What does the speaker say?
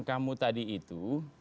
kamu tadi itu